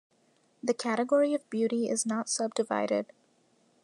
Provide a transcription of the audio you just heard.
The category of beauty is not subdivided.